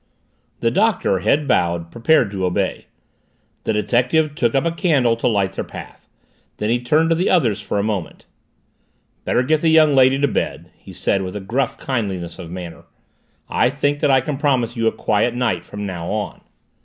The Doctor, head bowed, prepared to obey. The detective took up a candle to light their path. Then he turned to the others for a moment. "Better get the young lady to bed," he said with a gruff kindliness of manner. "I think that I can promise you a quiet night from now on."